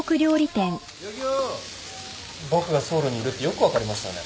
僕がソウルにいるってよく分かりましたね。